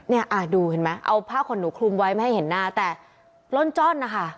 เนี่ยดูเห็นไหมเอาผ้าขนหนูคลุมไว้ไม่ให้เห็นหน้าแต่ล่อนจ้อนนะคะ